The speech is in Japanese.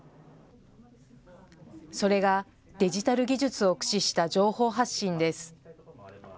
それがデジタル技術を駆使した情報発信です。